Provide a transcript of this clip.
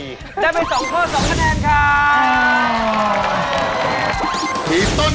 ได้ไป๒ข้อ๒คะแนนครับ